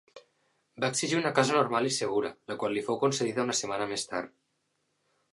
Va exigir una casa normal i segura, la qual li fou concedida una setmana més tard.